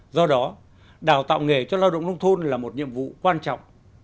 do đó đào tạo nghề cho lao động nông thôn là một nhiệm vụ quan trọng